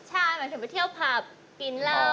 ใช่หมายถึงไปเที่ยวผับกินเหล้า